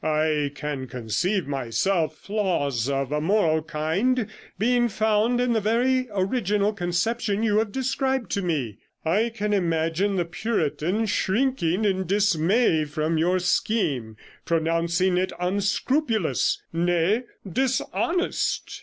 I can conceive, myself, flaws of a moral kind being found in the very original conception you have described to me; I can imagine the Puritan shrinking in dismay from your scheme, pronouncing it unscrupulous — nay, dishonest.'